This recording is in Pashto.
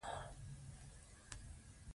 د سبا کار نن ترسره کړئ.